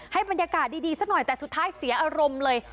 บรรยากาศดีสักหน่อยแต่สุดท้ายเสียอารมณ์เลย